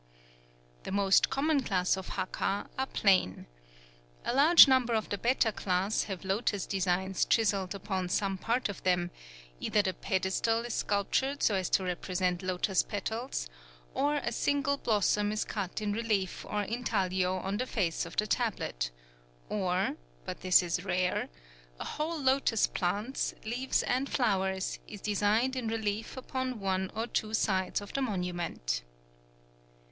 The most common class of haka are plain. A large number of the better class have lotos designs chiselled upon some part of them: either the pedestal is sculptured so as to represent lotos petals; or a single blossom is cut in relief or intaglio on the face of the tablet; or (but this is rare) a whole lotos plant, leaves and flowers, is designed in relief upon one or two sides of the monument.